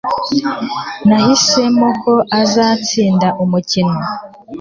Nahisemo ko azatsinda umukino.